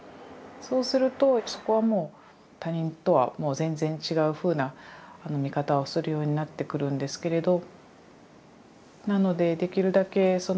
そうするとそこはもう他人とは全然違うふうな見方をするようになってくるんですけれど。